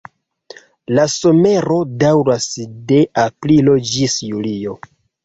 La somero daŭras de aprilo ĝis julio.